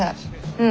うん。